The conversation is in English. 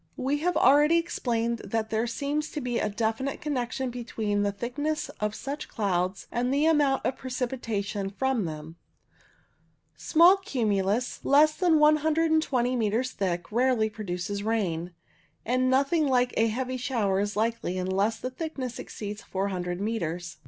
We have already explained that there seems to be a definite connection between the thickness of such clouds and the amount of precipitation from them. Small cumulus, less than 1 20 metres thick, rarely produces rain, and nothing like a heavy shower is likely unless the thickness exceeds 400 metres.